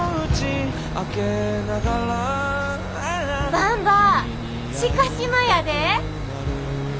ばんば知嘉島やで！